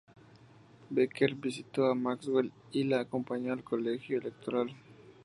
Becker visitó a Maxwell y la acompañó al colegio electoral.